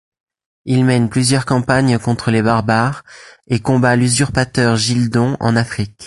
Il mène plusieurs campagnes contre les barbares et combat l'usurpateur Gildon en Afrique.